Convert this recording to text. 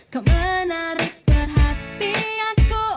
kau menarik perhatianku